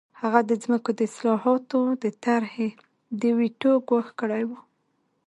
هغه د ځمکو د اصلاحاتو د طرحې د ویټو ګواښ کړی و